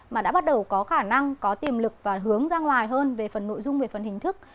mà đã bắt đầu có khả năng có tiềm lực và hướng ra ngoài hơn về phần nội dung về phần hình thức